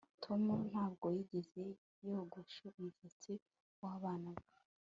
Tom ntabwo yigeze yogoshe umusatsi wabana be